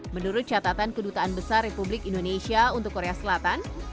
menurut catatan kedutaan besar republik indonesia untuk korea selatan